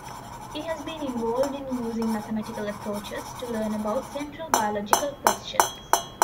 He has been involved in using mathematical approaches to learn about central biological questions.